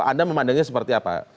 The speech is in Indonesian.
anda memandangnya seperti apa